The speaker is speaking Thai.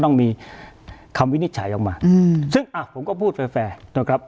ต้องมีคำวินิจฉัยออกมาซึ่งอ่ะผมก็พูดแฟร์นะครับ